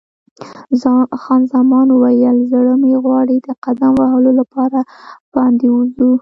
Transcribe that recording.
خان زمان وویل: زړه مې غواړي د قدم وهلو لپاره باندې ووځو.